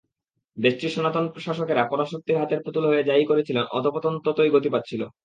দেশটির সনাতন শাসকেরা পরাশক্তির হাতের পুতুল হয়ে যা-ই করছিলেন, অধঃপতন ততই গতি পাচ্ছিল।